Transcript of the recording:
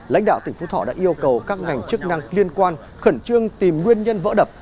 lãnh đạo tỉnh phú thọ đã yêu cầu các ngành chức năng liên quan khẩn trương tìm nguyên nhân vỡ đập